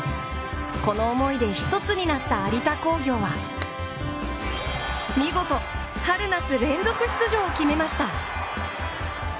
この思いで一つになった有田工業は見事、春夏連続出場を決めました。